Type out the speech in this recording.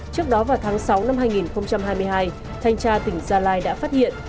trước đó vào tháng sáu năm hai nghìn hai mươi hai thanh tra tỉnh gia lai đã phát hiện